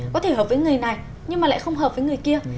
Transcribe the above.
có thể hợp với người này nhưng mà lại không hợp với người kia